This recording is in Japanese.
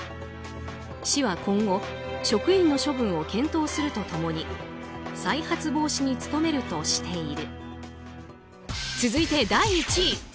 市は今後、職員の処分を検討すると共に再発防止に努めるとしている。